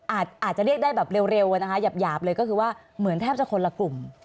อาจจะเรียกได้แบบเร็วนะคะหยาบเลยก็คือว่าเหมือนแทบจะคนละกลุ่ม